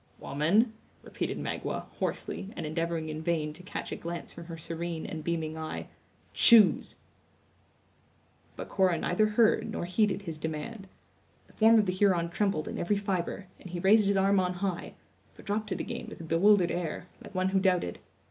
"Woman," repeated Magua, hoarsely, and endeavoring in vain to catch a glance from her serene and beaming eye, "choose!" But Cora neither heard nor heeded his demand. The form of the Huron trembled in every fibre, and he raised his arm on high, but dropped it again with a bewildered air, like one who doubted.